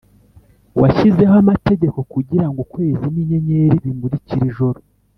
, washyizeho amategeko kugira ngo ukwezi n’inyenyeri bimurikire ijoro